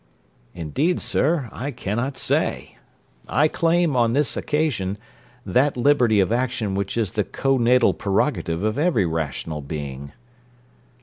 'Indeed, sir, I cannot say. I claim, on this occasion, that liberty of action which is the co natal prerogative of every rational being.'